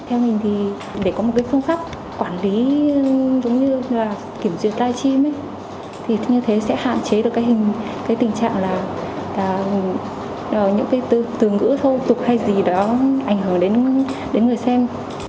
theo mình thì để có một cái phương pháp quản lý giống như là kiểm duyệt live chim ấy thì như thế sẽ hạn chế được cái tình trạng là những cái từ ngữ thô tục hay gì đó ảnh hưởng đến người xem